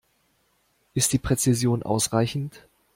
Ist die Präzision ausreichend?